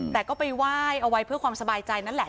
แต่ก็ไปไหว้เอาไว้เพื่อความสบายใจนั่นแหละ